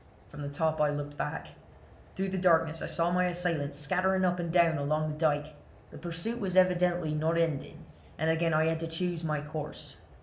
From the top I looked back. Through the darkness I saw my assailants scattering up and down along the dyke. The pursuit was evidently not ended, and again I had to choose my course.